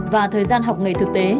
và thời gian học nghề thực tế